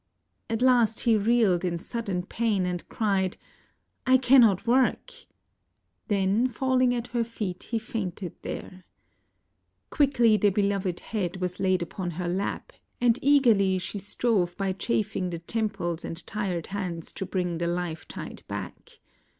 At last he reeled in sudden pain and cried, "I cannot work "; then falling at her feet he fainted there. Quickly the beloved head was laid upon her lap, and eagerly she strove by chafing the temples and tired hands to bring the life tide back.